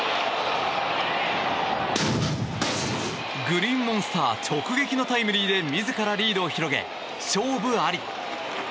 グリーンモンスター直撃のタイムリーで自らリードを広げ、勝負あり。